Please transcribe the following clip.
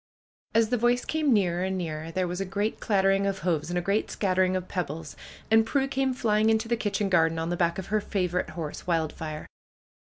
As the voice came nearer and nearer there was a great clattering of hoofs and a great scattering of peb bles, and Prue came flying into the kitchen garden on the back of her favorite horse, "Wildfire."